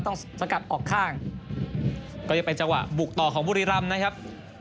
สกัดออกข้างก็ยังเป็นจังหวะบุกต่อของบุรีรำนะครับ